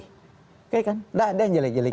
kayaknya kan nggak ada yang jelek jelekin